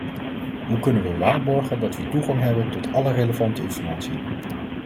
Hoe kunnen we waarborgen dat we toegang hebben tot alle relevante informatie?